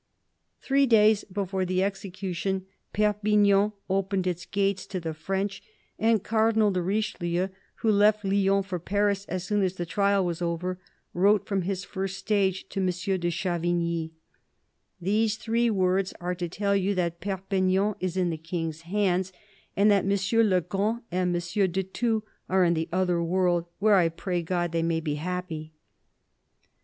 Three days before the execution Perpignan opened its gates to the French, and Cardinal de Richelieu, who left Lyons for Paris as soon as the trial was over, wrote from his first stage to M. de Chavigny :" These three words are to tell you that Perpignan is in the King's hands and that M. le Grand and M. de Thou are in the other world, where I pray God they may be happy."